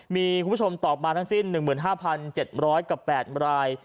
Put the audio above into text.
มีคุณผู้ชมตอบมาทั้งสิ้น๑๕๗๐๐กับ๘ราย